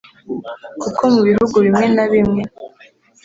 Kuko mu bihugu bimwe na bimwe